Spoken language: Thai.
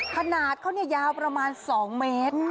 ขนาดเขาเนี่ยยาวประมาณ๒เมตร